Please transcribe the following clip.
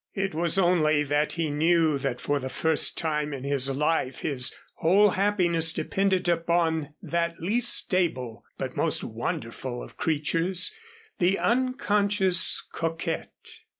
It was only that he knew that for the first time in his life, his whole happiness depended upon that least stable but most wonderful of creatures, the unconscious coquette.